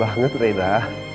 bagus banget puisinya